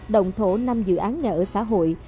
đồng thổ năm dự án nhà ở xã hội